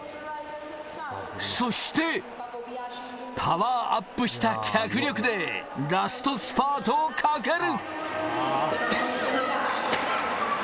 そして、パワーアップした脚力でラストスパートをかける！